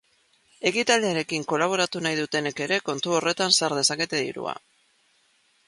Ekitaldiarekin kolaboratu nahi dutenek ere kontu horretan sar dezakete dirua.